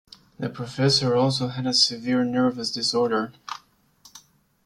The professor also had a severe nervous disorder.